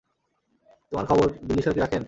তোমার খবর দিল্লীশ্বর কী রাখেন?